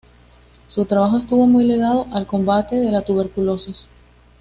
Su trabajo estuvo muy ligado al combate de la tuberculosis.